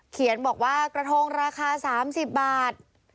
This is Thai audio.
เขียนบอกว่ากระทงราคา๓๐บาท